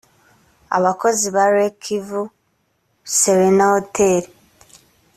abakozi ba lake kivu serena hotel